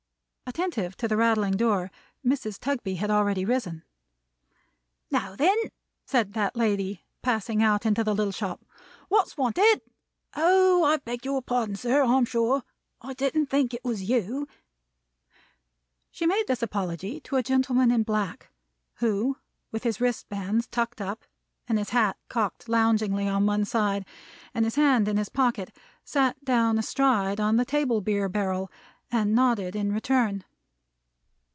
Attentive to the rattling door, Mrs. Tugby had already risen. "Now, then!" said that lady, passing out into the little shop. "What's wanted? Oh! I beg your pardon, sir, I'm sure. I didn't think it was you." She made this apology to a gentleman in black, who, with his wristbands tucked up, and his hat cocked loungingly on one side, and his hand in his pocket, sat down astride on the table beer barrel, and nodded in return.